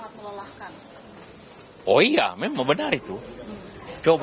pak prabowo itu sempat bilang bahwa demokrasi indonesia itu sangat melelahkan